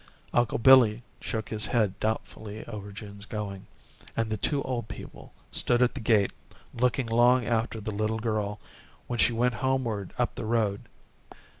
Uncle Billy shook his head doubtfully over June's going, and the two old people stood at the gate looking long after the little girl when she went homeward up the road.